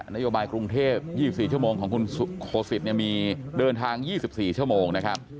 นโยบายกรุงเทพ๒๔ชั่วโมงของคุณโคสิตมีเดินทาง๒๔ชั่วโมงนะครับ